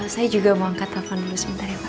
saya juga mau angkat telepon dulu sebentar ya pak